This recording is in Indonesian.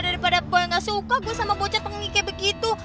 daripada boy gak suka gue sama bocah tengi kayak begitu